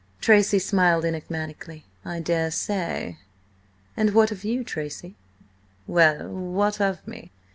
Tracy smiled enigmatically. "I daresay." "And what of you, Tracy?" "Well? What of me?"